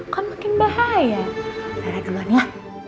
kan makin bahaya sarah teman ya